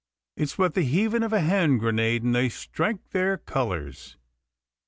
It's but the heaving of a hand grenade, and they strike their colours.